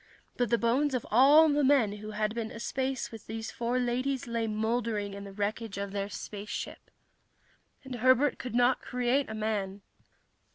But the bones of all the men who had been aspace with these four ladies lay mouldering in the wreckage of their spaceship. And Herbert could not create a man.